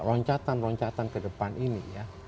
loncatan loncatan kedepan ini